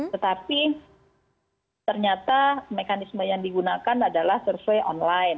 tetapi ternyata mekanisme yang digunakan adalah survei online